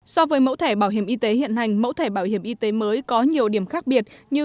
so với mẫu thẻ bảo hiểm y tế hiện hành mẫu thẻ bảo hiểm y tế mới có nhiều điểm khác biệt như